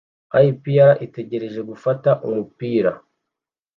APRitegereje gufata umupira